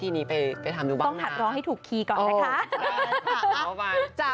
ต้องถัดล้อให้ถูกคีย์ก่อนนะคะ